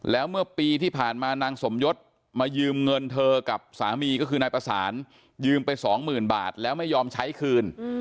แล้วเมื่อปีที่ผ่านมานางสมยศมายืมเงินเธอกับสามีก็คือนายประสานยืมไปสองหมื่นบาทแล้วไม่ยอมใช้คืน